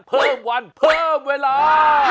เพิ่มวันเพิ่มเวลา